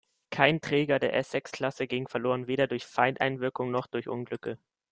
Kein Träger der Essex-Klasse ging verloren, weder durch Feindeinwirkung noch durch Unglücke.